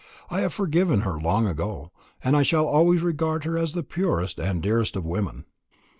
I have forgiven her long ago, and I shall always regard her as the purest and dearest of women."